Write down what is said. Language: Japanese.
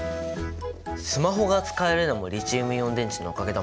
スマホが使えるのもリチウムイオン電池のおかげだもんね。